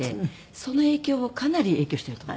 その影響はかなり影響していると思う。